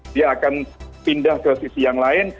dia akan pindah ke sisi yang lain